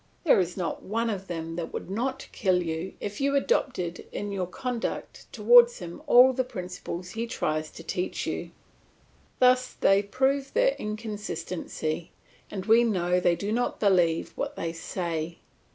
There is not one of them who would not kill you if you adopted in your conduct towards him all the principles he tries to teach you. Thus they prove their inconsistency, and we know they do not believe what they say.